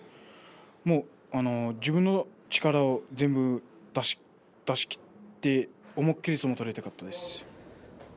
もう自分の力を全部出し切って思い切り相撲が取れてよかったです。